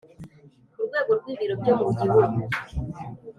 ku rwego rw ibiro byo mu gihugu